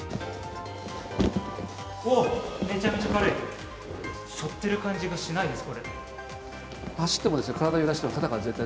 めちゃめちゃ軽い、背負ってる感じがしないです。